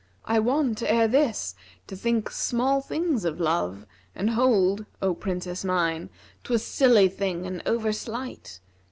I wont ere this to think small things of Love and hold, * O Princess mine, 'twas silly thing and over slight.